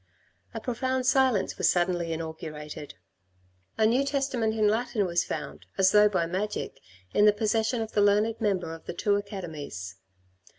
A profound silence was suddenly inaugurated. A New Testament in Latin was found as though by magic in the possession of the learned member of the two Academies.